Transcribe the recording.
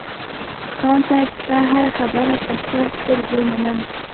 خان صاحب ستا هره خبره په سر سترگو منم.